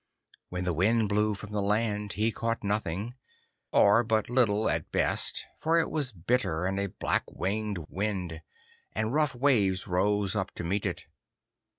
When the wind blew from the land he caught nothing, or but little at best, for it was a bitter and black winged wind, and rough waves rose up to meet it.